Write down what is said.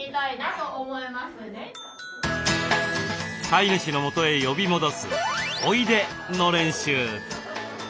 飼い主の元へ呼び戻す「おいで」の練習。